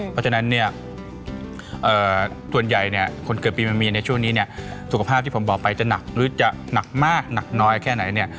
เพราะฉะนั้นเนี่ยส่วนใหญ่เนี่ยคนเกิดปีมันมีในช่วงนี้เนี่ยสุขภาพที่ผมบอกไปจะหนักหรือจะหนักมากหนักน้อยแค่ไหนเนี่ย